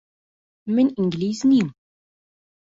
من ئینگلیز نیم.